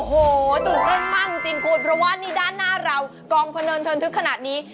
โหตื่นเต้นมากจริงคนเพราะว่านี่ด้านหน้าเรากองบรรนดูที่ขนาดนี้